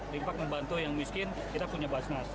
limpak membantu yang miskin kita punya basnas